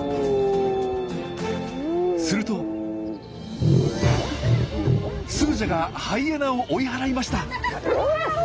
するとスージャがハイエナを追い払いました。